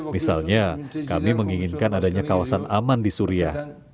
misalnya kami menginginkan adanya kawasan aman di suria